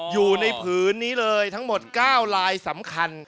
อยู่ในผืนนี้เลยทั้งหมด๙ลายสำคัญ